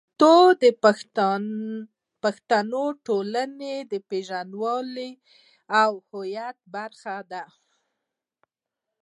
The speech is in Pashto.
پښتو د پښتنو د ټولنې د پېژندلو او هویت برخه ده.